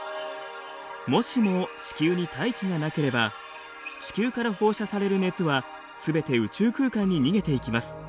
もしも地球に大気がなければ地球から放射される熱はすべて宇宙空間に逃げていきます。